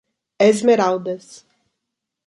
Esmeraldas